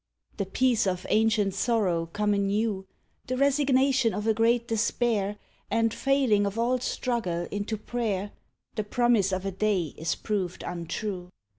The peace of ancient sorrow come anew, The resignation of a great despair And failing of all struggle into prayer; The promise of a day is proved untrue.